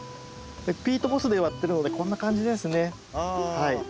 ピートモスで埋わってるのでこんな感じですね。